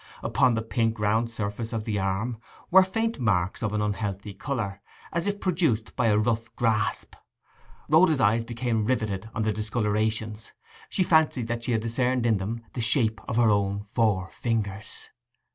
Upon the pink round surface of the arm were faint marks of an unhealthy colour, as if produced by a rough grasp. Rhoda's eyes became riveted on the discolorations; she fancied that she discerned in them the shape of her own four fingers.